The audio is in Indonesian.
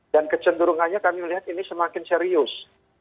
dan kecenderungannya kami melihat ini semakin serius